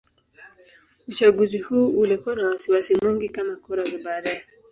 Uchaguzi huu ulikuwa na wasiwasi mwingi kama kura za baadaye.